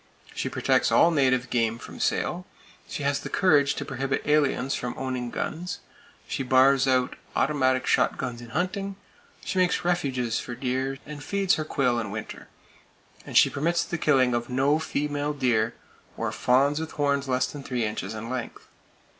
She protects all native game from sale; she has the courage to prohibit aliens from owning guns; she bars out automatic shot guns in hunting; she makes refuges for deer, and feeds her quail in winter, and she permits the killing of no female deer, or fawns with horns less than three inches in length.